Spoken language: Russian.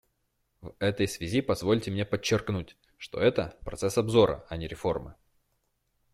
В этой связи позвольте мне подчеркнуть, что это — процесс обзора, а не реформы.